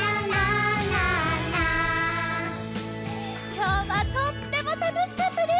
きょうはとってもたのしかったです！